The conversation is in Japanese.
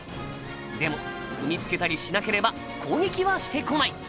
でも踏みつけたりしなければ攻撃はしてこない。